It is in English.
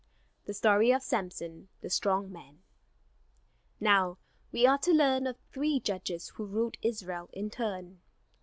THE STORY OF SAMSON, THE STRONG MAN Now we are to learn of three judges who ruled Israel in turn.